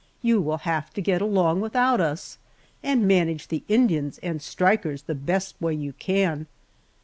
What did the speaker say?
You will have to get along without us and manage the Indians and strikers the best way you can."